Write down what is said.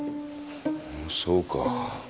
そうか。